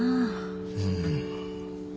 うん。